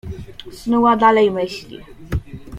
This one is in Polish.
Snuła dalej myśli.